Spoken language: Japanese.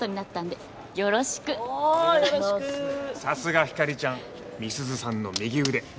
さすがひかりちゃん。美鈴さんの右腕。